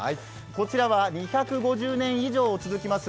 こちらは２５０年以上続きます